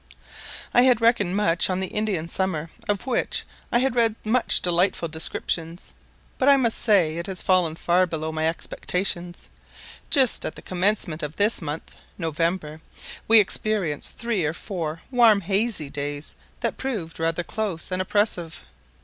I had reckoned much on the Indian summer, of which I had read such delightful descriptions, but I must say it has fallen far below my expectations. Just at the commencement of this month (November) we experienced three or four warm hazy days, that proved rather close and oppressive.